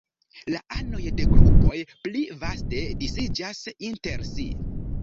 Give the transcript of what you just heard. La anoj de grupoj pli vaste disiĝas inter si.